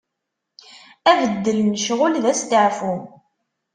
Abeddel n ccɣel, d asteɛfu.